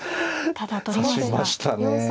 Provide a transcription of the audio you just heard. ただ取りました。